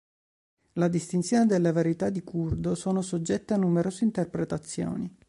La distinzione delle varietà di curdo sono soggette a numerose interpretazioni.